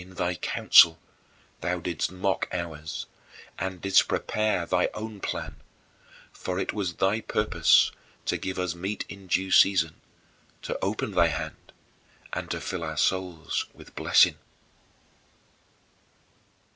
" In thy counsel thou didst mock ours, and didst prepare thy own plan, for it was thy purpose "to give us meat in due season, to open thy hand, and to fill our souls with blessing."